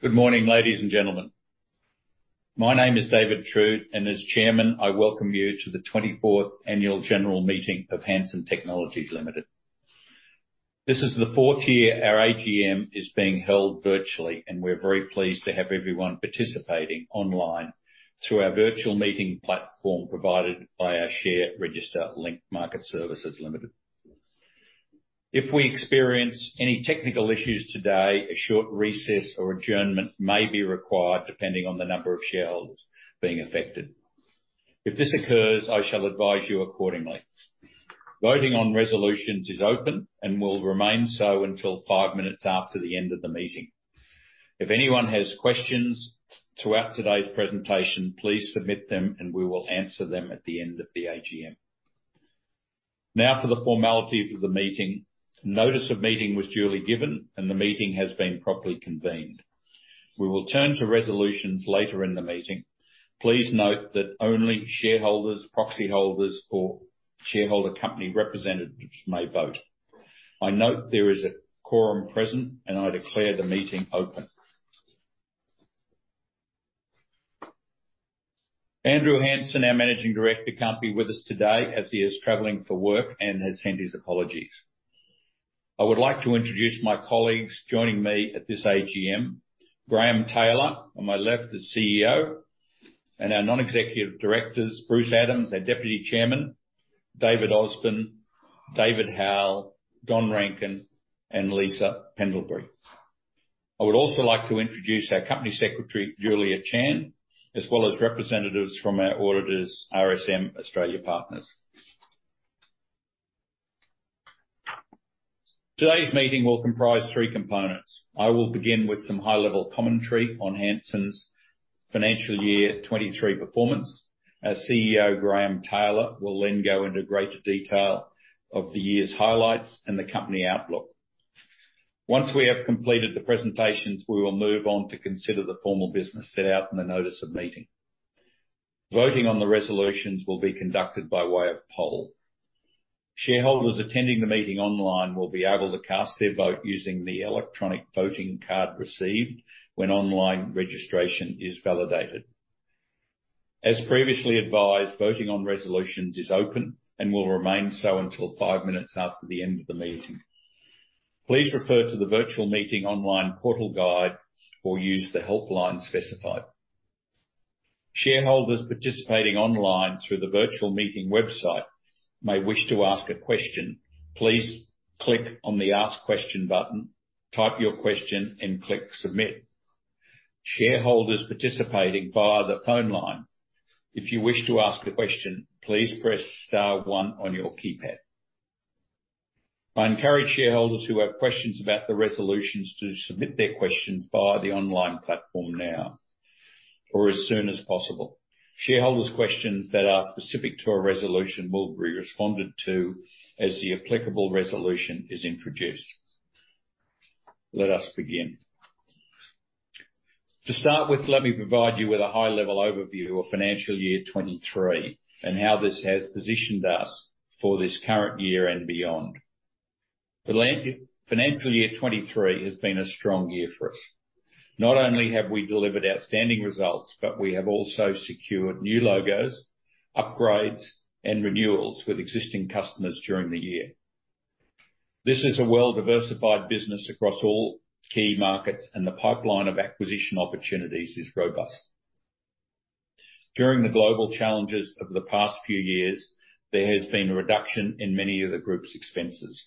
Good morning, ladies and gentlemen. My name is David Trude, and as Chairman, I welcome you to the 24th Annual General Meeting of Hansen Technologies Limited. This is the 4th year our AGM is being held virtually, and we're very pleased to have everyone participating online through our virtual meeting platform provided by our share register Link Market Services Limited. If we experience any technical issues today, a short recess or adjournment may be required depending on the number of shareholders being affected. If this occurs, I shall advise you accordingly. Voting on resolutions is open and will remain so until five minutes after the end of the meeting. If anyone has questions throughout today's presentation, please submit them, and we will answer them at the end of the AGM. Now, for the formalities of the meeting. Notice of meeting was duly given, and the meeting has been properly convened. We will turn to resolutions later in the meeting. Please note that only shareholders, proxy holders, or shareholder company representatives may vote. I note there is a quorum present, and I declare the meeting open. Andrew Hansen, our Managing Director, can't be with us today as he is traveling for work and has sent his apologies. I would like to introduce my colleagues joining me at this AGM, Graeme Taylor, on my left, the CEO, and our Non-Executive Directors, Bruce Adams, our Deputy Chairman, David Osborne, David Howell, Don Rankin, and Lisa Pendlebury. I would also like to introduce our Company Secretary, Julia Chand, as well as representatives from our auditors, RSM Australia Partners. Today's meeting will comprise three components. I will begin with some high-level commentary on Hansen's financial year 2023 performance, as CEO Graeme Taylor will then go into greater detail of the year's highlights and the company outlook. Once we have completed the presentations, we will move on to consider the formal business set out in the notice of meeting. Voting on the resolutions will be conducted by way of poll. Shareholders attending the meeting online will be able to cast their vote using the electronic voting card received when online registration is validated. As previously advised, voting on resolutions is open and will remain so until five minutes after the end of the meeting. Please refer to the virtual meeting online portal guide or use the helpline specified. Shareholders participating online through the virtual meeting website may wish to ask a question; please click on the Ask Question button, type your question, and click Submit. Shareholders participating via the phone line, if you wish to ask a question, please press star one on your keypad. I encourage shareholders who have questions about the resolutions to submit their questions via the online platform now or as soon as possible. Shareholders' questions that are specific to a resolution will be responded to as the applicable resolution is introduced. Let us begin. To start with, let me provide you with a high-level overview of financial year 2023 and how this has positioned us for this current year and beyond. Financial year 2023 has been a strong year for us. Not only have we delivered outstanding results, but we have also secured new logos, upgrades, and renewals with existing customers during the year. This is a well-diversified business across all key markets, and the pipeline of acquisition opportunities is robust. During the global challenges of the past few years, there has been a reduction in many of the group's expenses.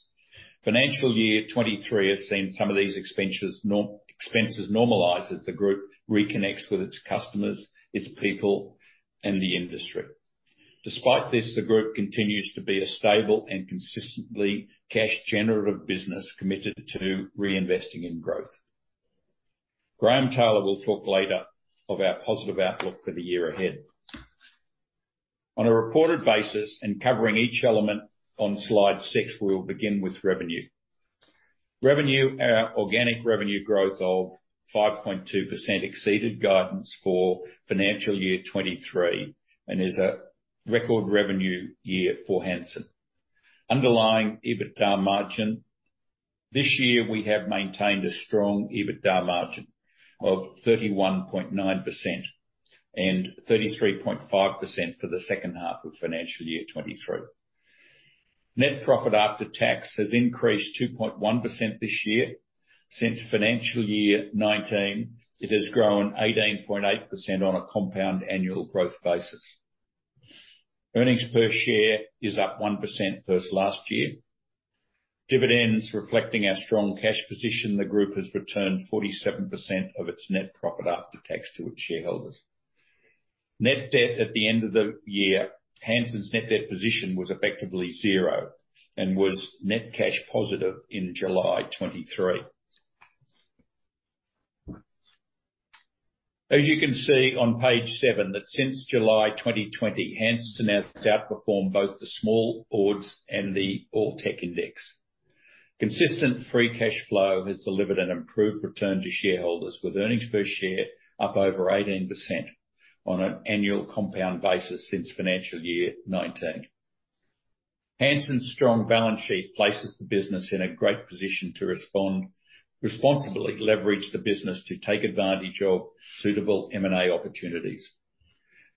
Financial year 2023 has seen some of these expenses normalize as the group reconnects with its customers, its people, and the industry. Despite this, the group continues to be a stable and consistently cash-generative business committed to reinvesting in growth. Graeme Taylor will talk later of our positive outlook for the year ahead. On a reported basis and covering each element on slide 6, we will begin with revenue. Revenue, organic revenue growth of 5.2% exceeded guidance for financial year 2023 and is a record revenue year for Hansen. Underlying EBITDA margin. This year, we have maintained a strong EBITDA margin of 31.9% and 33.5% for the second half of financial year 2023. Net profit after tax has increased 2.1% this year. Since financial year 2019, it has grown 18.8% on a compound annual growth basis. Earnings per share is up 1% versus last year. Dividends, reflecting our strong cash position, the group has returned 47% of its net profit after tax to its shareholders. Net debt at the end of the year, Hansen's net debt position was effectively zero and was net cash positive in July 2023. As you can see on page seven, that since July 2020, Hansen has outperformed both the Small Ords and the All Ords Index. Consistent free cash flow has delivered an improved return to shareholders, with earnings per share up over 18% on an annual compound basis since financial year 2019. Hansen's strong balance sheet places the business in a great position to respond, responsibly leverage the business to take advantage of suitable M&A opportunities.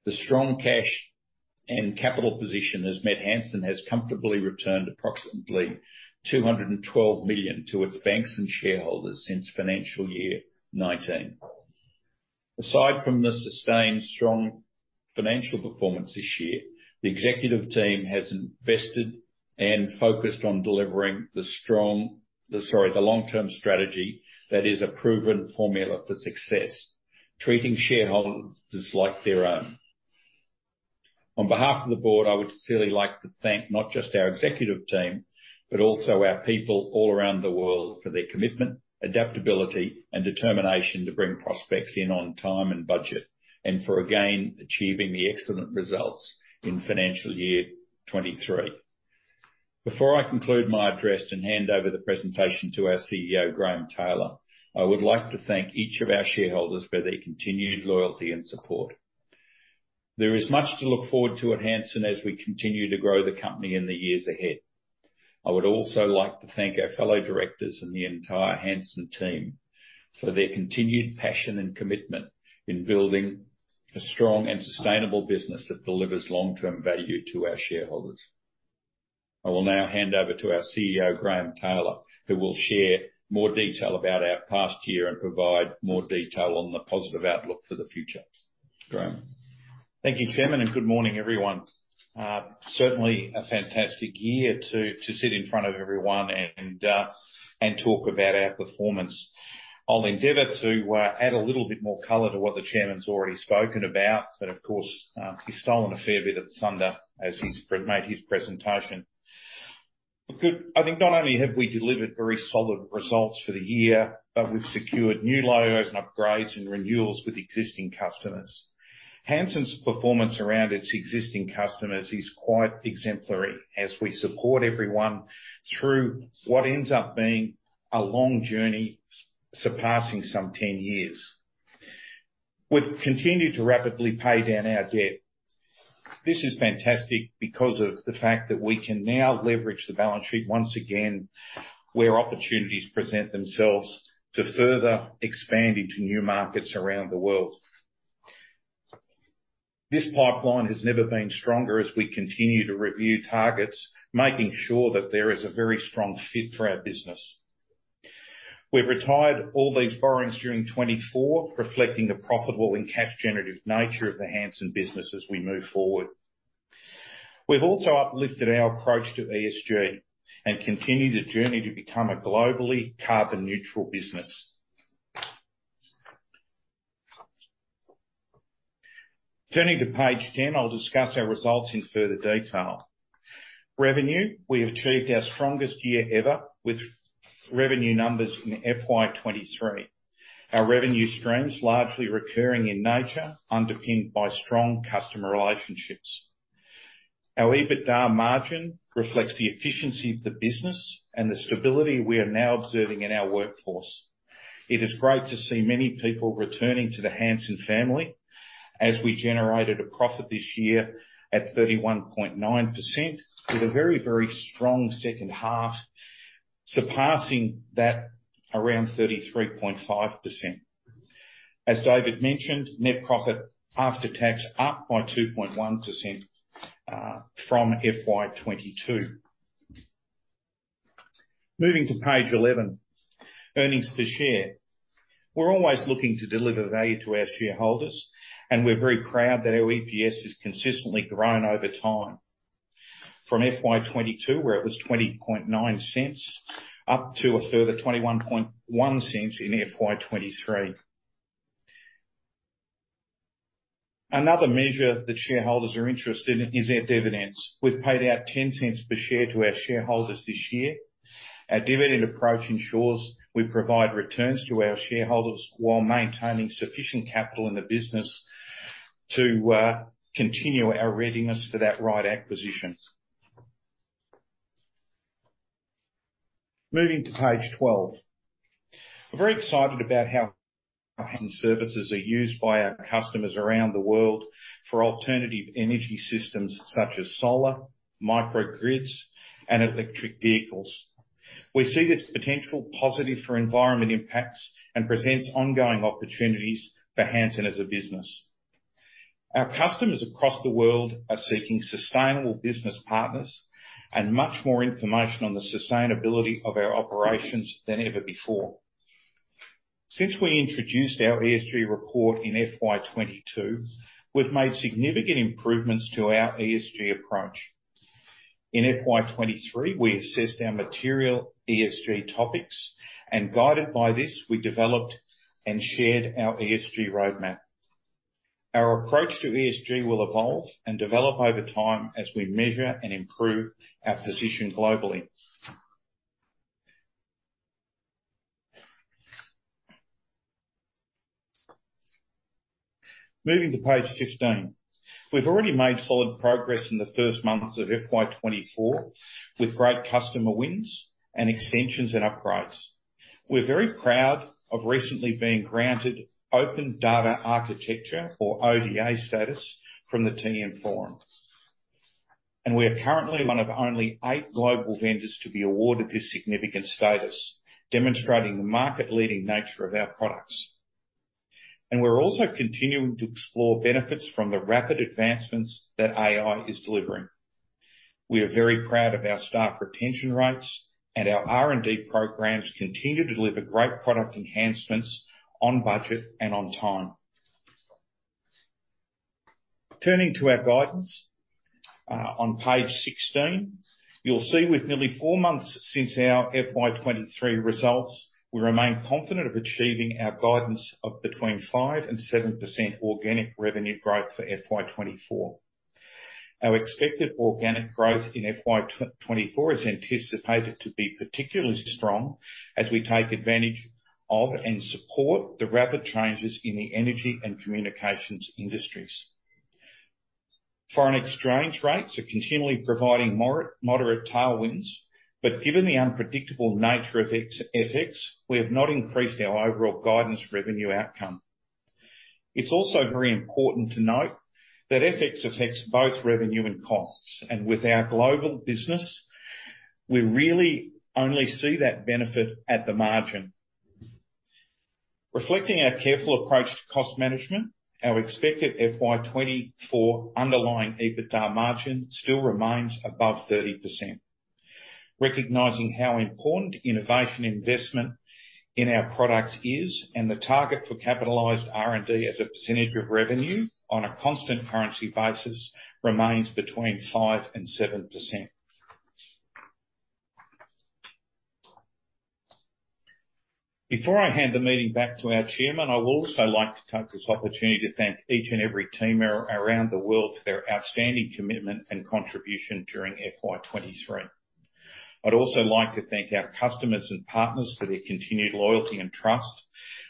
The strong cash and capital position has meant Hansen has comfortably returned approximately 212 million to its banks and shareholders since financial year 2019. Aside from the sustained strong financial performance this year, the executive team has invested and focused on delivering the long-term strategy that is a proven formula for success, treating shareholders like their own. On behalf of the board, I would sincerely like to thank not just our executive team, but also our people all around the world for their commitment, adaptability, and determination to bring prospects in on time and budget, and for again, achieving the excellent results in financial year 2023. Before I conclude my address and hand over the presentation to our CEO, Graeme Taylor, I would like to thank each of our shareholders for their continued loyalty and support. There is much to look forward to at Hansen as we continue to grow the company in the years ahead. I would also like to thank our fellow directors and the entire Hansen team for their continued passion and commitment in building a strong and sustainable business that delivers long-term value to our shareholders. I will now hand over to our CEO, Graeme Taylor, who will share more detail about our past year and provide more detail on the positive outlook for the future. Graeme? Thank you, Chairman, and good morning, everyone. Certainly a fantastic year to sit in front of everyone and talk about our performance. I'll endeavor to add a little bit more color to what the chairman's already spoken about, but of course, he's stolen a fair bit of thunder as he's made his presentation. Look, I think not only have we delivered very solid results for the year, but we've secured new logos and upgrades and renewals with existing customers. Hansen's performance around its existing customers is quite exemplary as we support everyone through what ends up being a long journey, surpassing some ten years. We've continued to rapidly pay down our debt. This is fantastic because of the fact that we can now leverage the balance sheet once again, where opportunities present themselves to further expand into new markets around the world. This pipeline has never been stronger as we continue to review targets, making sure that there is a very strong fit for our business. We've retired all these borrowings during 2024, reflecting the profitable and cash generative nature of the Hansen business as we move forward. We've also uplifted our approach to ESG and continued the journey to become a globally carbon neutral business. Turning to page 10, I'll discuss our results in further detail. Revenue, we have achieved our strongest year ever with revenue numbers in FY 2023. Our revenue stream is largely recurring in nature, underpinned by strong customer relationships. Our EBITDA margin reflects the efficiency of the business and the stability we are now observing in our workforce. It is great to see many people returning to the Hansen family, as we generated a profit this year at 31.9%, with a very, very strong second half, surpassing that around 33.5%. As David mentioned, net profit after tax up by 2.1% from FY 2022. Moving to page 11, earnings per share. We're always looking to deliver value to our shareholders, and we're very proud that our EPS has consistently grown over time. From FY 2022, where it was 0.209, up to a further 0.211 in FY 2023. Another measure that shareholders are interested in is our dividends. We've paid out 0.10 per share to our shareholders this year. Our dividend approach ensures we provide returns to our shareholders while maintaining sufficient capital in the business to continue our readiness for that right acquisition. Moving to page 12. We're very excited about how our services are used by our customers around the world for alternative energy systems such as solar, microgrids, and electric vehicles. We see this potential positive for environment impacts and presents ongoing opportunities for Hansen as a business. Our customers across the world are seeking sustainable business partners and much more information on the sustainability of our operations than ever before. Since we introduced our ESG report in FY 2022, we've made significant improvements to our ESG approach. In FY 2023, we assessed our material ESG topics, and guided by this, we developed and shared our ESG roadmap. Our approach to ESG will evolve and develop over time as we measure and improve our position globally. Moving to page 15. We've already made solid progress in the first months of FY 2024.... with great customer wins and extensions and upgrades. We're very proud of recently being granted Open Data Architecture, or ODA, status from the TM Forum. We are currently one of only eight global vendors to be awarded this significant status, demonstrating the market-leading nature of our products. We're also continuing to explore benefits from the rapid advancements that AI is delivering. We are very proud of our staff retention rates, and our R&D programs continue to deliver great product enhancements on budget and on time. Turning to our guidance, on page 16, you'll see with nearly four months since our FY 2023 results, we remain confident of achieving our guidance of between 5% and 7% organic revenue growth for FY 2024. Our expected organic growth in FY 2024 is anticipated to be particularly strong as we take advantage of, and support, the rapid changes in the energy and communications industries. Foreign exchange rates are continually providing moderate tailwinds, but given the unpredictable nature of FX, we have not increased our overall guidance revenue outcome. It's also very important to note that FX affects both revenue and costs, and with our global business, we really only see that benefit at the margin. Reflecting our careful approach to cost management, our expected FY 2024 underlying EBITDA margin still remains above 30%. Recognizing how important innovation investment in our products is, and the target for capitalized R&D as a percentage of revenue, on a constant currency basis, remains between 5% and 7%. Before I hand the meeting back to our chairman, I would also like to take this opportunity to thank each and every team around the world for their outstanding commitment and contribution during FY 23. I'd also like to thank our customers and partners for their continued loyalty and trust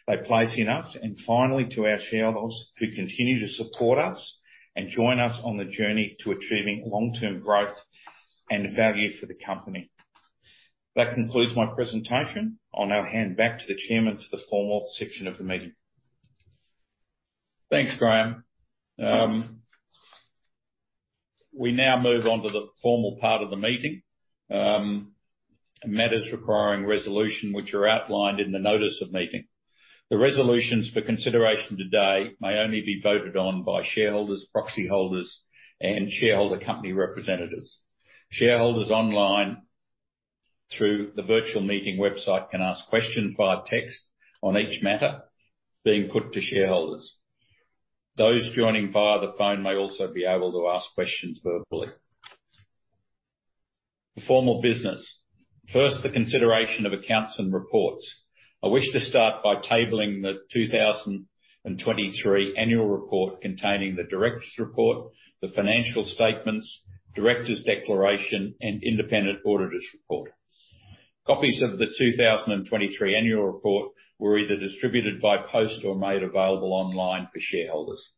they place in us. And finally, to our shareholders, who continue to support us and join us on the journey to achieving long-term growth and value for the company. That concludes my presentation. I'll now hand back to the chairman for the formal section of the meeting. Thanks, Graeme. We now move on to the formal part of the meeting, matters requiring resolution, which are outlined in the notice of meeting. The resolutions for consideration today may only be voted on by shareholders, proxy holders, and shareholder company representatives. Shareholders online through the virtual meeting website can ask questions via text on each matter being put to shareholders. Those joining via the phone may also be able to ask questions verbally. The formal business. First, the consideration of accounts and reports. I wish to start by tabling the 2023 annual report containing the directors' report, the financial statements, directors' declaration, and independent auditor's report. Copies of the 2023 annual report were either distributed by post or made available online for shareholders.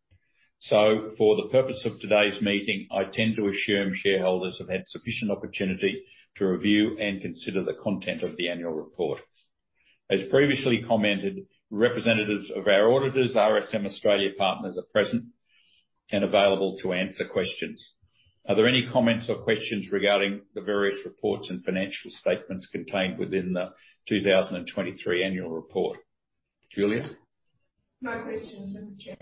So for the purpose of today's meeting, I tend to assume shareholders have had sufficient opportunity to review and consider the content of the annual report. As previously commented, representatives of our auditors, RSM Australia Partners, are present and available to answer questions. Are there any comments or questions regarding the various reports and financial statements contained within the 2023 annual report? Julia? No questions, Mr.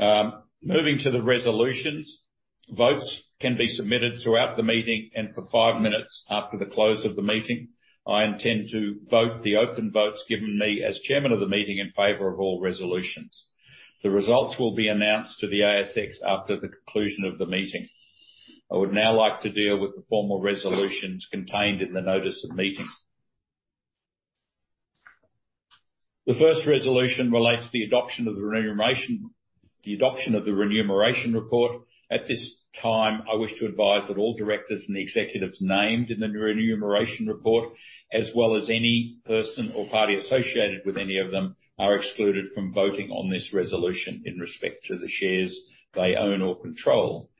Chairman. Moving to the resolutions. Votes can be submitted throughout the meeting and for five minutes after the close of the meeting. I intend to vote the open votes given me, as chairman of the meeting, in favor of all resolutions. The results will be announced to the ASX after the conclusion of the meeting. I would now like to deal with the formal resolutions contained in the notice of meeting. The first resolution relates to the adoption of the remuneration, the adoption of the remuneration report. At this time, I wish to advise that all directors and the executives named in the remuneration report, as well as any person or party associated with any of them, are excluded from voting on this resolution in respect to the shares they own or control.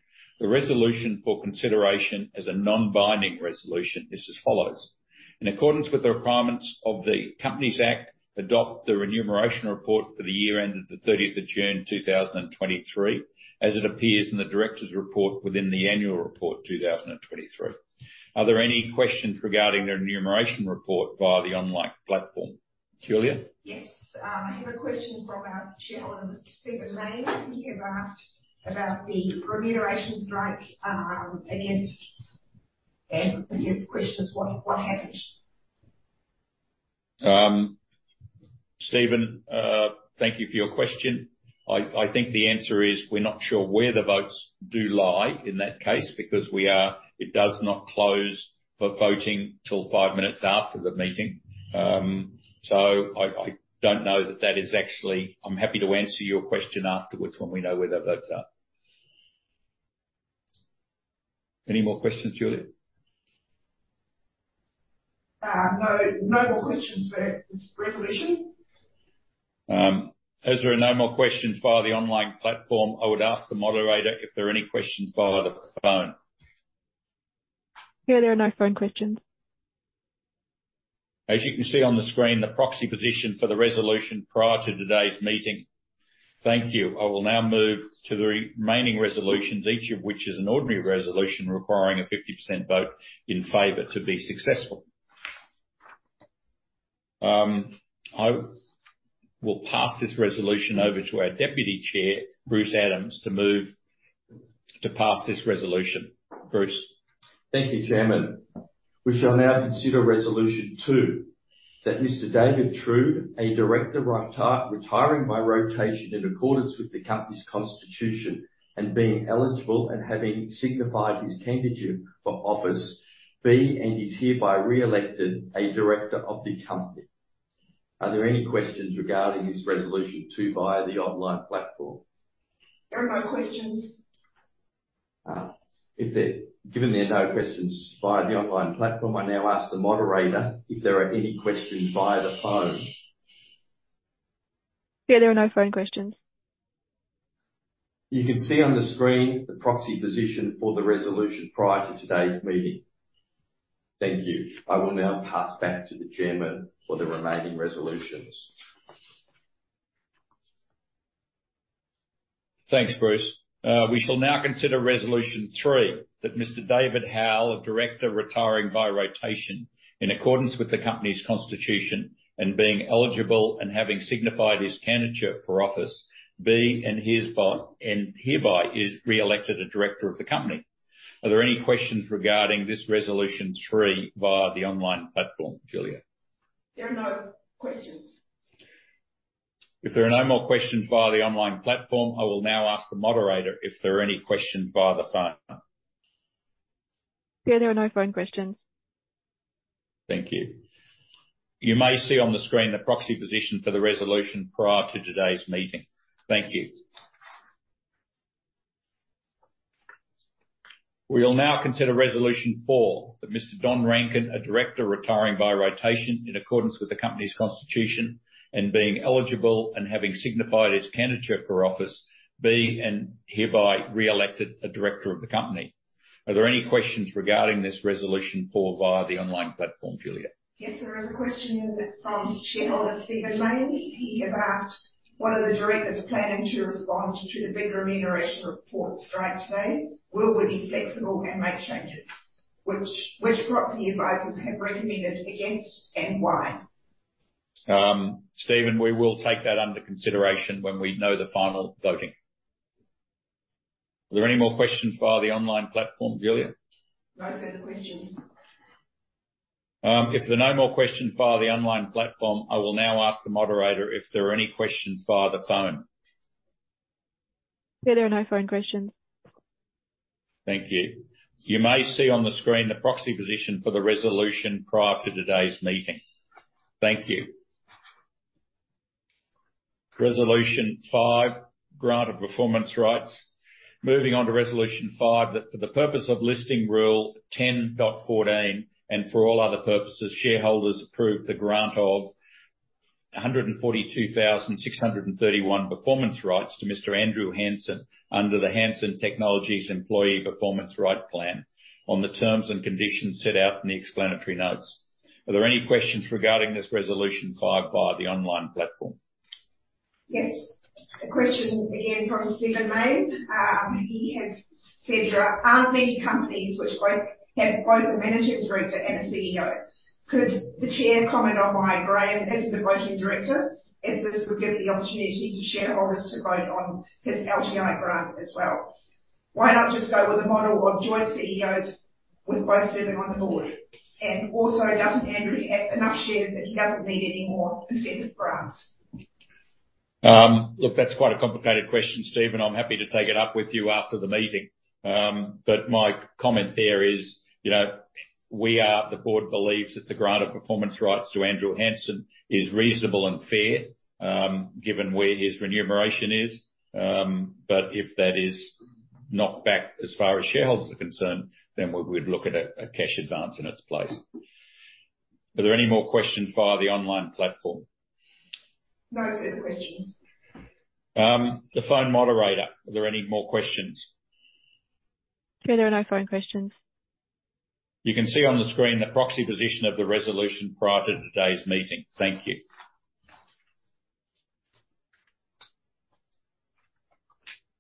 The resolution for consideration is a non-binding resolution. This is as follows: In accordance with the requirements of the Companies Act, adopt the remuneration report for the year ended the 30th of June, 2023, as it appears in the directors' report within the annual report, 2023. Are there any questions regarding the remuneration report via the online platform? Julia? Yes. I have a question from our shareholder, Stephen Mayne. He has asked about the remuneration strike, against... And his question is, "What, what happened? Stephen, thank you for your question. I think the answer is, we're not sure where the votes do lie in that case, because it does not close for voting till five minutes after the meeting. So I don't know that that is actually... I'm happy to answer your question afterwards when we know where the votes are. Any more questions, Julia?... No, no more questions for this resolution. As there are no more questions via the online platform, I would ask the moderator if there are any questions via the phone? Yeah, there are no phone questions. As you can see on the screen, the proxy position for the resolution prior to today's meeting. Thank you. I will now move to the remaining resolutions, each of which is an ordinary resolution requiring a 50% vote in favor to be successful. I will pass this resolution over to our Deputy Chair, Bruce Adams, to move to pass this resolution. Bruce? Thank you, Chairman. We shall now consider resolution two, that Mr. David Trude, a director retiring by rotation in accordance with the company's constitution, and being eligible and having signified his candidature for office, be, and is hereby re-elected a director of the company. Are there any questions regarding this resolution or via the online platform? There are no questions. Given there are no questions via the online platform, I now ask the moderator if there are any questions via the phone. Yeah, there are no phone questions. You can see on the screen the proxy position for the resolution prior to today's meeting. Thank you. I will now pass back to the chairman for the remaining resolutions. Thanks, Bruce. We shall now consider resolution three, that Mr. David Howell, a director retiring by rotation in accordance with the company's constitution, and being eligible and having signified his candidature for office, be, and hereby is re-elected a director of the company. Are there any questions regarding this resolution three via the online platform, Julia? There are no questions. If there are no more questions via the online platform, I will now ask the moderator if there are any questions via the phone. Yeah, there are no phone questions. Thank you. You may see on the screen the proxy position for the resolution prior to today's meeting. Thank you. We will now consider resolution four, that Mr. Don Rankin, a director retiring by rotation in accordance with the company's constitution, and being eligible and having signified his candidature for office, be and hereby re-elected a director of the company. Are there any questions regarding this resolution four via the online platform, Julia? Yes, there is a question from shareholder Stephen Mayne. He has asked, "What are the directors planning to respond to the bigger remuneration reports during today? Will we be flexible and make changes which proxy advisors have recommended against, and why? Stephen, we will take that under consideration when we know the final voting. Are there any more questions via the online platform, Julia? No further questions. If there are no more questions via the online platform, I will now ask the moderator if there are any questions via the phone. Yeah, there are no phone questions. Thank you. You may see on the screen the proxy position for the resolution prior to today's meeting. Thank you. Resolution five, grant of performance rights. Moving on to resolution five, that for the purpose of Listing Rule 10.14, and for all other purposes, shareholders approve the grant of 142,631 performance rights to Mr. Andrew Hansen under the Hansen Technologies Employee Performance Right Plan on the terms and conditions set out in the explanatory notes. Are there any questions regarding this resolution five via the online platform? Yes. A question again from Stephen Mayne. He has said, "There are many companies which both, have both a managing director and a CEO. Could the Chair comment on why Graeme isn't a voting director, as this would give the opportunity to shareholders to vote on his LTI grant as well? Why not just go with a model of joint CEOs with both serving on the board? And also, doesn't Andrew have enough shares that he doesn't need any more incentive grants? Look, that's quite a complicated question, Stephen. I'm happy to take it up with you after the meeting. But my comment there is, you know, we are, the board believes that the grant of performance rights to Andrew Hansen is reasonable and fair, given where his remuneration is. But if that is knocked back as far as shareholders are concerned, then we would look at a cash advance in its place. Are there any more questions via the online platform? No further questions. The phone moderator, are there any more questions? Yeah, there are no phone questions. You can see on the screen the proxy position of the resolution prior to today's meeting. Thank you.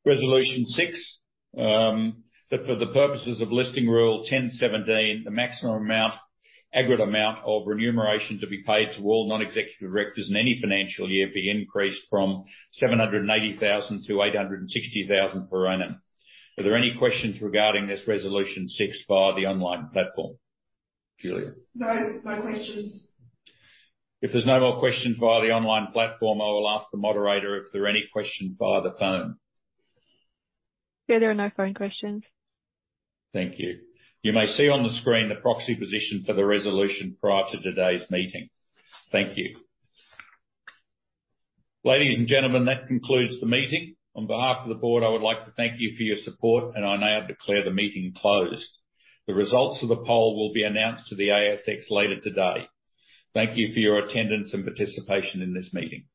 Resolution six, that for the purposes of Listing Rule 10.17, the maximum amount, aggregate amount of remuneration to be paid to all non-executive directors in any financial year be increased from 780,000-860,000 per annum. Are there any questions regarding this resolution six via the online platform, Julia? No. No questions. If there's no more questions via the online platform, I will ask the moderator if there are any questions via the phone. Yeah, there are no phone questions. Thank you. You may see on the screen the proxy position for the resolution prior to today's meeting. Thank you. Ladies and gentlemen, that concludes the meeting. On behalf of the board, I would like to thank you for your support, and I now declare the meeting closed. The results of the poll will be announced to the ASX later today. Thank you for your attendance and participation in this meeting.